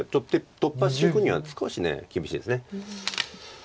突破していくには少し厳しいです。